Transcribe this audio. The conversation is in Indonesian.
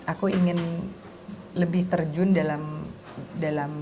aku ingin lebih terjun dalam